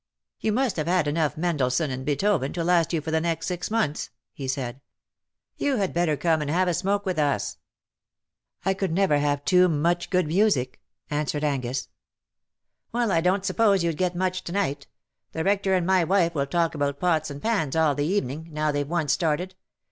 ''You must have had enough Mendelssohn and Beethoven to last you for the next six months/' he said. '* You^had better come and have a smoke with us." " I could never have too much good music," answered Angus. " Well, I don^t suppose you'd get much to night. The Rector and my wife will talk about pots and pans all the evening, now they've once started.